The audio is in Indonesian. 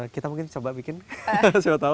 kita mungkin coba bikin siapa tahu